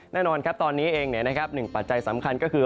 แน่นอนครับตอนนี้เองหนึ่งปัจจัยสำคัญก็คือ